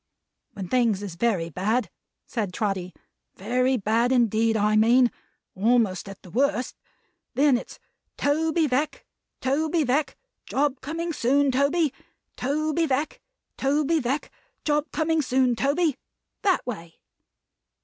"When things is very bad," said Trotty; "very bad indeed, I mean; almost at the worst; then it's 'Toby Veck, Toby Veck, job coming soon, Toby! Toby Veck, Toby Veck, job coming soon, Toby!' That way."